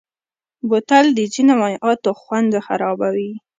بوتل د ځینو مایعاتو خوند خرابوي.